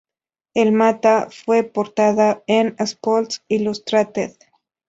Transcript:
El mate fue portada en Sports Illustrated.